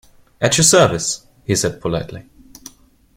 “At your service,” he said politely.